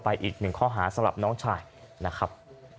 อีกหนึ่งข้อหาสำหรับน้องชายนะครับ